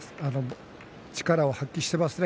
力を発揮していますね